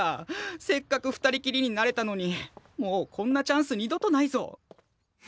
せっかく二人きりになれたのにもうこんなチャンス二度とないぞ。